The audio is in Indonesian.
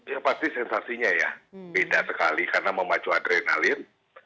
ya pasti sensasinya ya beda sekali karena memacu adrenalin